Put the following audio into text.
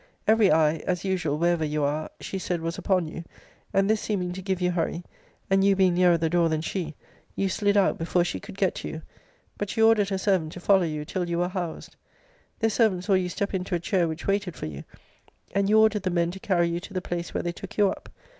Every eye, (as usual, wherever you are,) she said was upon you; and this seeming to give you hurry, and you being nearer the door than she, you slid out before she could get to you. But she ordered her servant to follow you till you were housed. This servant saw you step into a chair which waited for you; and you ordered the men to carry you to the place where they took you up.